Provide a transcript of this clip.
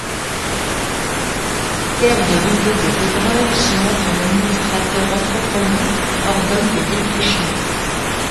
Pierre de Rigaud de Vaudreuil se montre un administrateur entreprenant, ordonne des défrichements.